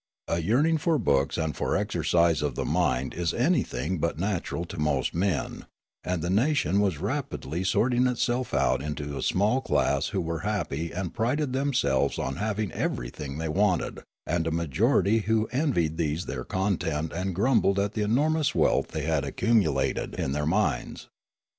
A yearning for books and for exercise of the mind is anything but natural to most men, and the nation was rapidly sort ing itself out into a small class who were happy and prided themselves on having everything they wanted, and a majority who envied these their content and grumbled at the enormous wealth they had accumul The Voyage to Tirralaria 131 ated in their minds.